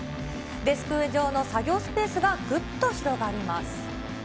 デスク上の作業スペースがぐっと広がります。